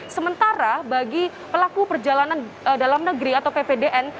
sementara bagi pelaku perjalanan dalam negeri atau ppdn